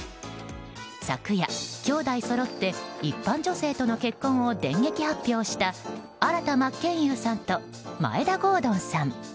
昨夜、兄弟そろって一般女性との結婚を電撃発表した新田真剣佑さんと眞栄田郷敦さん。